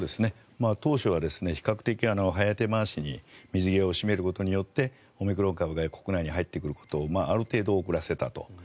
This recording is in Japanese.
当初は比較的早手回しに水際を閉めることによってオミクロン株が国内に入ってくることをある程度、遅らせたと。